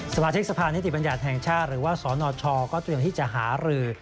สมาชิกสภานิติบัญญาณแห่งชาติหรือว่าสนชก็ต้องที่จะหาหรือ